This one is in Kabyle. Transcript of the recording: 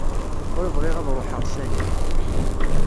Ur bɣiɣ ad ruḥeɣ sani.